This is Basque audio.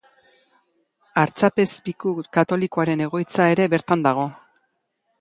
Artzapezpiku katolikoaren egoitza ere bertan dago.